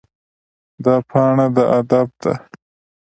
دا پاڼه د ادب ده.